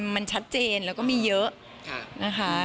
มันชัดเจนแล้วก็มีเยอะนะคะ